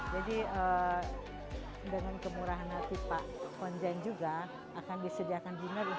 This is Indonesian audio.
jadi dengan kemurahan tipe konjen juga akan disediakan diner untuk semua orang